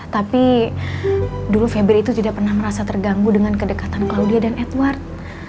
tapi dulu febri itu tidak pernah merasa terganggu dengan kedekatan claudia dan edward